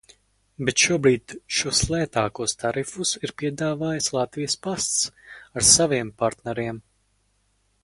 "Bet šobrīd šos lētākos tarifus ir piedāvājis "Latvijas pasts" ar saviem partneriem."